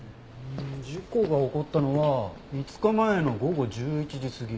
事故が起こったのは５日前の午後１１時過ぎ。